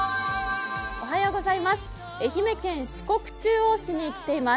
愛媛県四国中央市に来ています。